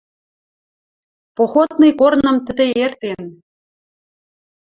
Походный корным тӹдӹ эртен